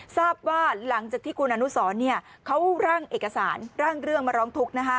ทราบว่าหลังจากที่คุณอนุสรเขาร่างเอกสารร่างเรื่องมาร้องทุกข์